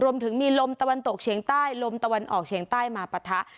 รวมถึงมีลมตะวันตกเฉียงใต้ลมตะวันออกเฉียงใต้มาปะทะ